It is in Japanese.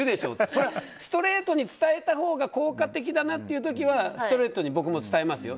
それはストレートに伝えたほうが効果的だなという時はストレートに僕も伝えますよ。